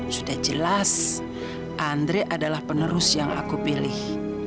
sudah jelas andre adalah penerus yang aku pilih